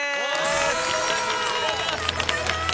おめでとうございます！